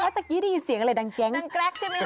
ว่าแล้วตะกี้ได้ยินเสียงอะไรดังแก๊งดังแกร๊กใช่ไหมครับ